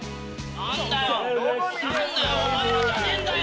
何だよ！